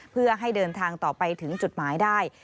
เพื่อให้เดินทางต่อไปถึงจุดหมายได้